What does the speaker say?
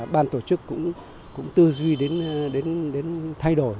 ban tổ chức cũng tư duy đến thay đổi